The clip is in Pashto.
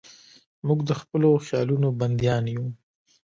موږ د خپلو خیالونو بندیان یو.